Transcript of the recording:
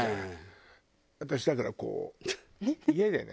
私だからこう家でね。